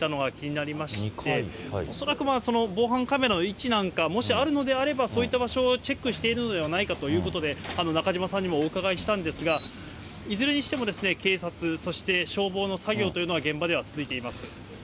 恐らく防犯カメラの位置なんか、もしあるのであれば、そういった場所をチェックしているのではないかということで、中島さんにもお伺いしたんですが、いずれにしても警察、そして消防の作業というのは現場では続いています。